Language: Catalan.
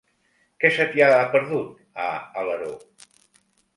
Què se t'hi ha perdut, a Alaró?